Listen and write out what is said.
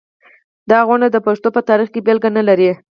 دا غونډ د پښتو په تاریخ کې بېلګه نلري.